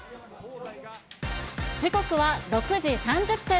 時刻は６時３０分。